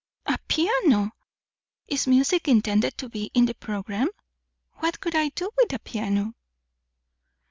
"A piano! Is music intended to be in the programme? What should I do with a piano?"